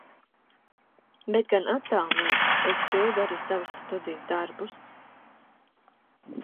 Bet gan attālināti, es pildu arī savus studiju darbus.